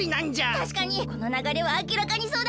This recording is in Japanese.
たしかにこのながれはあきらかにそうだ。